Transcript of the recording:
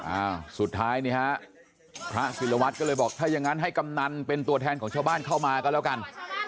อ่าสุดท้ายนี่ฮะพระศิลวัตรก็เลยบอกถ้ายังงั้นให้กำนันเป็นตัวแทนของชาวบ้านเข้ามาก็แล้วกัน